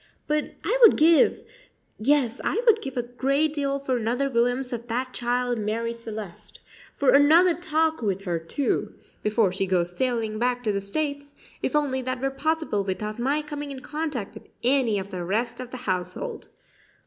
But I would give yes, I would give a great deal for another glimpse of that child Marie Celeste for another talk with her, too, before she goes sailing back to the States, if only that were possible without my coming in contact with any of the rest of the household.